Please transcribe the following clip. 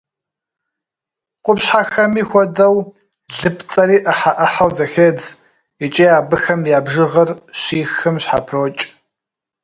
Къупщхьэхэми хуэдэу, лыпцӏэри ӏыхьэ-ӏыхьэу зэхедз, икӏи абыхэм я бжыгъэр щихым щхьэпрокӏ.